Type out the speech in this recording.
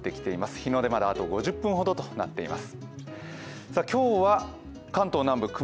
日の出まであと５０分ほどとなっています。